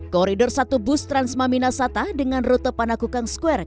koridor satu bus transmina sata dengan rute panakukang square